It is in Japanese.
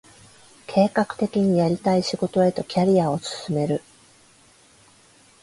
計画的にやりたい仕事へとキャリアを進める